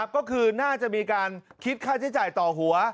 ก็คือน่าจะมีการคิดค่าใช้จ่ายต่อหัว